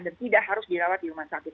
dan tidak harus dirawat di rumah sakit